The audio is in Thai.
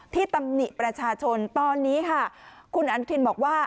ตำหนิประชาชนตอนนี้ค่ะคุณอนุทินบอกว่า